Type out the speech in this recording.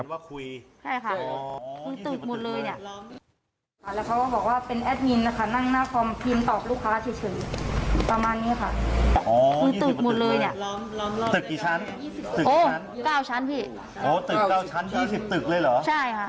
อ๋อคือตึกหมุดเลยเนี่ยตึกกี่ชั้นอ๋อ๙ชั้นพี่อ๋อตึก๙ชั้น๒๐ตึกเลยเหรอใช่ค่ะ